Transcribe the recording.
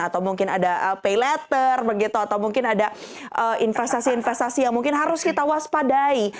atau mungkin ada pay letter begitu atau mungkin ada investasi investasi yang mungkin harus kita waspadai